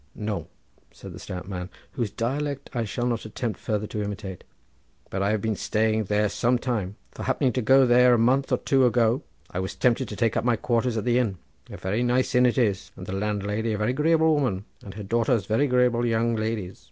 "No," said the stout man, whose dialect I shall not attempt further to imitate, "but I have been staying there some time; for happening to go there a month or two ago I was tempted to take up my quarters at the inn. A very nice inn it is, and the landlady a very agreeable woman, and her daughters very agreeable young ladies."